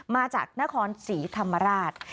มาจากนครศรีธรรมราช